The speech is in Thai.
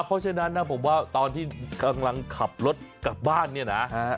เพราะฉะนั้นนะผมว่าตอนที่กำลังขับรถกลับบ้านเนี่ยนะ